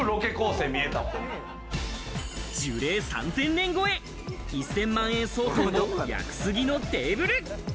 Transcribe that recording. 樹齢３０００年超え、１０００万円相当の屋久杉のテーブル。